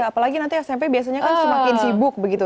apalagi nanti smp biasanya kan semakin sibuk begitu